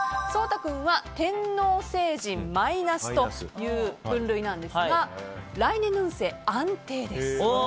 颯太君は天王星人マイナスという分類なんですが来年の運勢、安定です。